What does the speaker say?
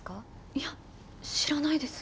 いや知らないです。